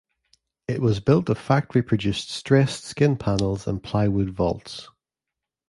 It was built of factory-produced stressed skin panels and plywood vaults.